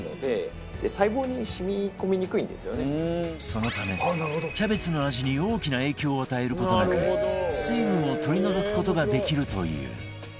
そのためキャベツの味に大きな影響を与える事なく水分を取り除く事ができるという